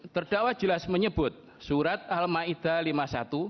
terdakwa jelas menyebut surat al ma'idah lima puluh satu